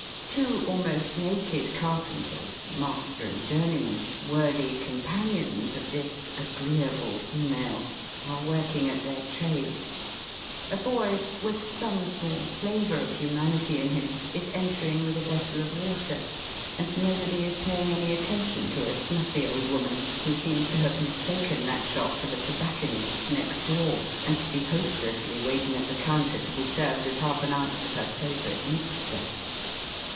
Two almost naked car penters, master and journeyman, worthy com panions of this agreeable female, are working at their trade ; a boy, with some small flavor of humanity in him, is entering with a vessel of water ; and nobody is paying any attention to a snuffy old woman who seems to have mistaken that shop for the tobacconist's next door, and to be hopelessly waiting at the counter to be served with half an ounce of her favourite mixture.